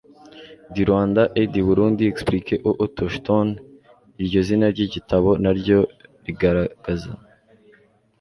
du rwanda et du burundi expliquée aux autochtones. iryo zina ry'igitabo na ryo rigaragaza